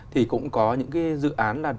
thì cũng có những dự án